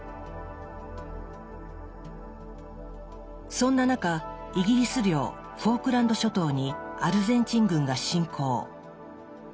そんな中イギリス領フォークランド諸島にアルゼンチン軍が侵攻。